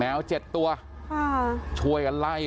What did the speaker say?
แมวเจ็ดตัวอ่าช่วยกันไล่